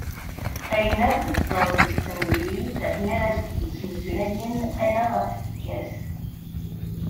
Ayen akk i teẓẓar deg-sen diri-t mi ara as-d-ttmeslayen ala ɣef tfekka-s.